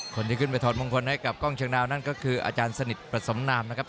คนที่ขึ้นไปถอดมงคลให้กับกล้องเชียงดาวนั่นก็คืออาจารย์สนิทประสมนามนะครับ